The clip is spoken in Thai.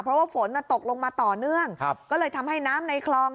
เพราะว่าฝนตกลงมาต่อเนื่องก็เลยทำให้น้ำในคลอง